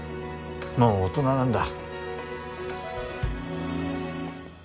もう大人なんだ。